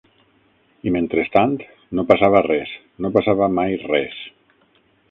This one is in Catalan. I, mentrestant, no passava res, no passava mai res